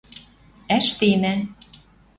ӓштенӓ